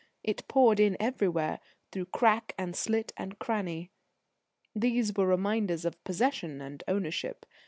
It poured in everywhere, through crack and slit and crannie. These were reminders of possession and ownership.